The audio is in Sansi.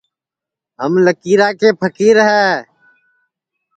ہم لکیرا کے پھکیر ہے